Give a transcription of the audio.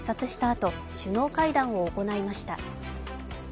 あと首脳会談を行いました。